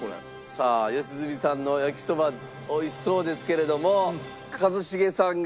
さあ良純さんの焼きそば美味しそうですけれども。